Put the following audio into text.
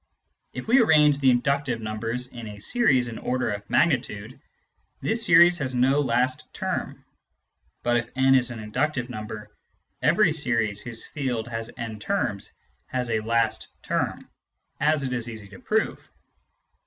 If we arrange the inductive numbers in a series in order of magnitude, this series has no last term ; but if n is an inductive number, every series whose field has n terms has a last term, as it is easy to prove.